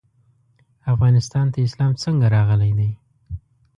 افغانستان ته اسلام څنګه راغلی دی؟